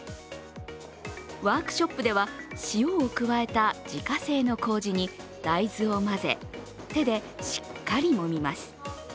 ワークショップでは塩を加えた自家製のこうじに大豆を混ぜ、手でしっかりもみます。